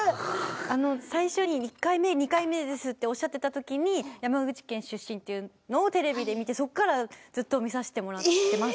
最初に「１回目２回目です」っておっしゃってたときに山口県出身っていうのをテレビで見てそっからずっと見させてもらってます。